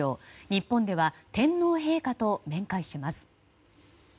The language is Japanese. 日本では天皇陛下と面会します。